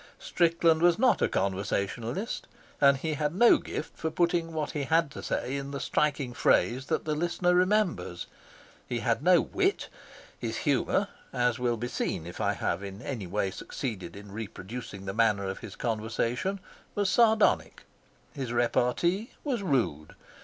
Strickland was not a conversationalist, and he had no gift for putting what he had to say in the striking phrase that the listener remembers. He had no wit. His humour, as will be seen if I have in any way succeeded in reproducing the manner of his conversation, was sardonic. His repartee was rude.